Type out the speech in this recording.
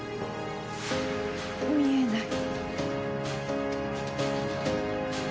見えない。